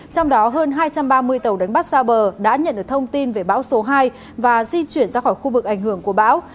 trong đó hơn hai trăm ba mươi tàu đánh bắt xa bờ đã nhận được thông tin về bão số hai và di chuyển ra khỏi khu vực ảnh hưởng của bão